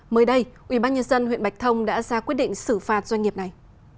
mới đây ubnd huyện bạch thông đã ra quyết định xử phạt doanh nghiệp này